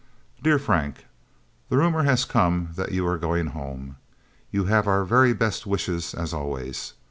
"Dear Frank: The rumor has come that you are going home. You have our very best wishes, as always.